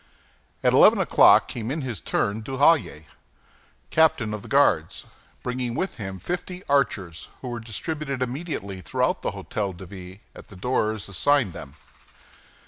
At eleven o'clock came in his turn Duhallier, captain of the Guards, bringing with him fifty archers, who were distributed immediately through the Hôtel de Ville, at the doors assigned them.